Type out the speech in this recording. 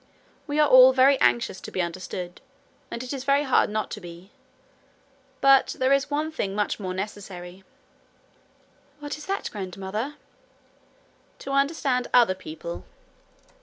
We are all very anxious to be understood, and it is very hard not to be. But there is one thing much more necessary.' 'What is that, grandmother?' 'To understand other people.'